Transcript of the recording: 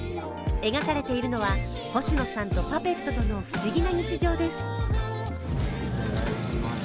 描かれているのは星野さんとパペットとの不思議な日常です。